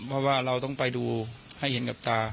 เพราะว่าเราต้องไปดูให้เห็นกับตา